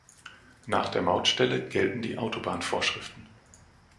Nach der Mautstelle gelten die Autobahnvorschriften.